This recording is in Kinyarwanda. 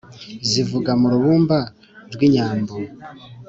zivuga mu rubumba rw’inyambo